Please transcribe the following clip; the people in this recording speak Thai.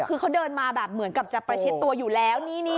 คือเขาเดินมาแบบเหมือนกับจะประชิดตัวอยู่แล้ว